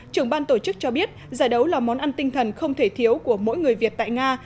trưởng ban tổ chức cho biết giải đấu là món ăn tinh thần không thể thiếu của mỗi người việt tại nga